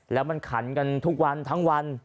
แล้วมันขันกันทุกวันทั้งวัน